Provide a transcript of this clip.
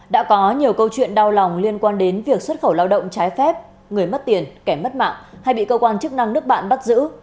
đã có nhiều câu chuyện đau lòng liên quan đến việc xuất khẩu lao động trái phép người mất tiền kẻ mất mạng hay bị cơ quan chức năng nước bạn bắt giữ